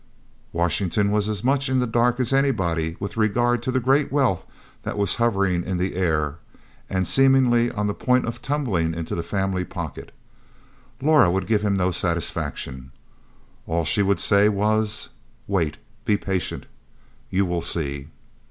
Washington was as much in the dark as anybody with regard to the great wealth that was hovering in the air and seemingly on the point of tumbling into the family pocket. Laura would give him no satisfaction. All she would say, was: "Wait. Be patient. You will see."